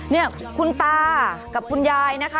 นี่คุณตากับคุณยายนะคะ